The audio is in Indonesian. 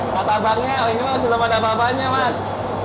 matabangnya ini sudah pada babanya mas